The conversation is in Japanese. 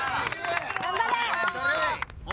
頑張れ！